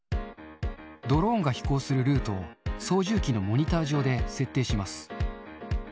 ドローンが飛行するルートを、操縦機のモニター上で設定します。